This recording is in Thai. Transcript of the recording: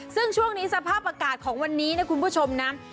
ซึ่งช่วงนี้สภาพอากาศของวันนี้นะคุณผู้ชมนะ